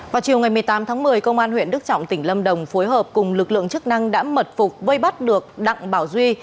vào chiều ngày một mươi tám tháng một mươi công an huyện đức trọng tỉnh lâm đồng phối hợp cùng lực lượng chức năng đã mật phục vây bắt được đặng bảo duy